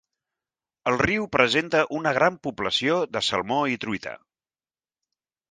El riu presenta una gran població de salmó i truita.